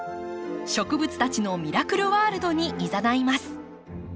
植物たちのミラクルワールドにいざないます。